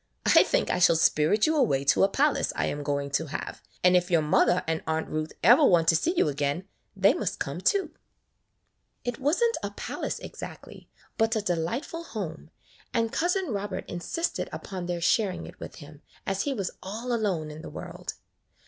"I think I shall spirit you away to [ 45 ] AN EASTER LILY a palace I am going to have, and if your mother and Aunt Ruth ever want to see you again, they must come, too." It was n't a palace exactly, but a delightful home, and Cousin Robert insisted upon their sharing it with him, as he was all alone in the world.